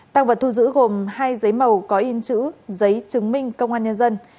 tăng vật thu giữ gồm hai giấy màu có in chữ giấy chứng minh công an nhân dân